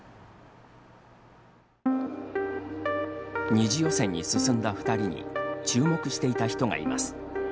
２次予選に進んだ２人に注目していた人がいます。